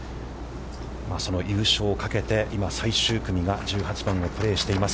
その優勝を懸けて今、最終組が１８番をプレーしています。